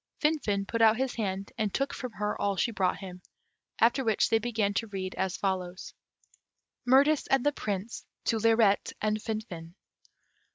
Finfin put out his hand and took from her all she brought him, after which they began to read as follows: _Mirtis and the Prince to Lirette and Finfin.